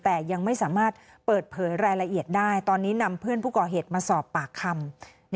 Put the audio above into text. แต่ยังไม่สามารถเปิดเผยรายละเอียดได้ตอนนี้นำเพื่อนผู้ก่อเหตุมาสอบปากคำ